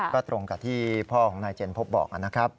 ก็ตรงกับที่พ่อของนายเจนพบบอกนะครับ